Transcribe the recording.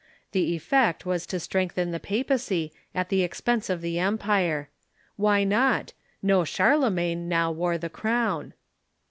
The effect was to strengthen the papacy at the expense of the em pire. Why not? No Charlemagne now wore the crown.